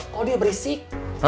kalau dia berisik